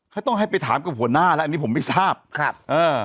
ต้องให้ไปถามกับหัวหน้าแล้วอันนี้ผมไม่ทราบครับเออ